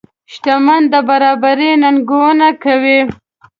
شتمن د برابرۍ ننګونه کوي.